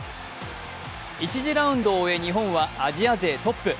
１次ラウンドを終え日本はアジア勢トップ。